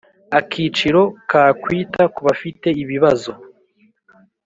Akiciro ka Kwita ku bafite ibibazo